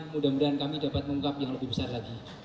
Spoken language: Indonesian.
mudah mudahan kami dapat mengungkap yang lebih besar lagi